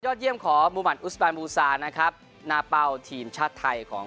ยอดเยี่ยมขอมุมันอุทสมานมูซานะครับณเปล่าทีมชาติไทยของ